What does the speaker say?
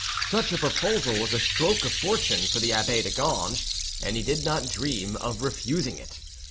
Such a proposal was a stroke of fortune for the abbe de Ganges, and he did not dream of refusing it.